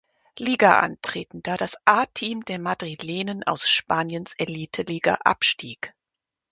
Liga antreten, da das A-Team der Madrilenen aus Spaniens Elite-Liga abstieg.